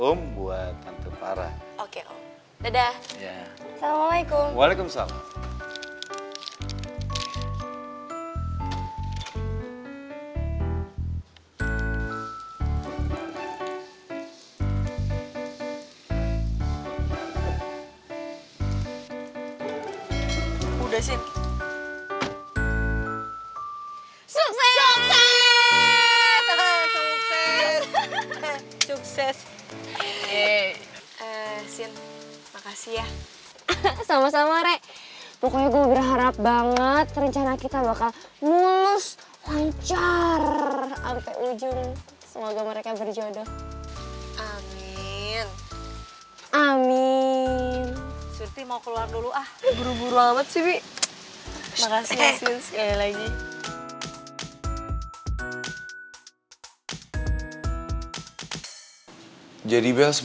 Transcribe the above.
om buat tante farah oke dadah assalamualaikum waalaikumsalam